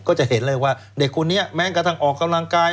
ก็จะเห็นเลยว่าเด็กคนนี้แม้กระทั่งออกกำลังกาย